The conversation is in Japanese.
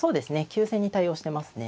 急戦に対応してますね。